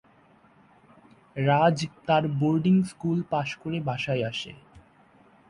রাজ তার boarding school পাশ করে বাসায় আসে।